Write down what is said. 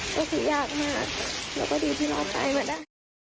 ก็คือยากมากแล้วก็ดีที่รอดไปมาได้